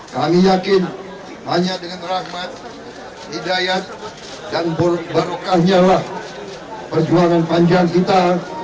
kami yakin hanya dengan rahmat hidayat dan barokahnyalah perjuangan panjang kita